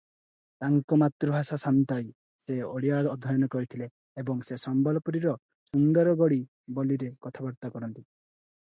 ତାଙ୍କ ମାତୃଭାଷା ସାନ୍ତାଳୀ, ସେ ଓଡ଼ିଆ ଅଧ୍ୟୟନ କରିଥିଲେ ଏବଂ ସେ ସମ୍ବଲପୁରୀର ସୁନ୍ଦରଗଡ଼ୀ ବୋଲିରେ କଥାବାର୍ତ୍ତା କରନ୍ତି ।